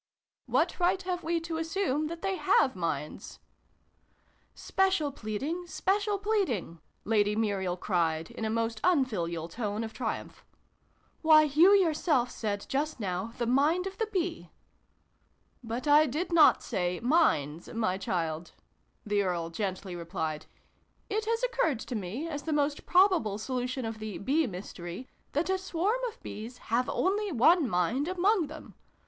"What right have we to assume that they have minds ?"" Special pleading, special pleading !" Lady Muriel cried, in a most unfilial tone of triumph. " Why, you yourself said, just now, ' the mind of the Bee'!" xix] A FAIRY DUET. 299 "But I did not say ' minds,' my child," the Earl gently replied. "It has occurred to me, as the most probable solution of the ' Bee ' mystery, that a swarm of Bees have only one mind among them.